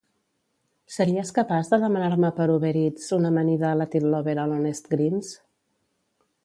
Series capaç de demanar-me per Uber Eats una amanida Latin Lover a l'Honest Greens?